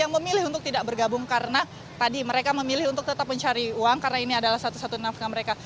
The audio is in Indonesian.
yang memilih untuk tidak bergabung karena tadi mereka memilih untuk tetap mencari uang karena ini adalah satu satu nafkah mereka